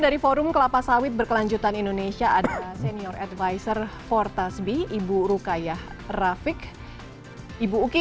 dari forum kelapa sawit berkelanjutan indonesia ada senior advisor fortasbi ibu rukayah rafiq ibu uki